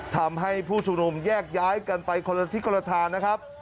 ทำให้ผู้ชุมนุมแยกย้ายกันไปคนละทิศคนละทางนะครับ